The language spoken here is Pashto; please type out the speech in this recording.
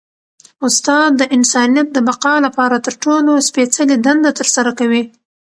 استاد د انسانیت د بقا لپاره تر ټولو سپيڅلي دنده ترسره کوي.